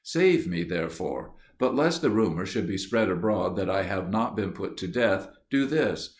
Save me therefore; but lest the rumour should be spread abroad that I have not been put to death, do this.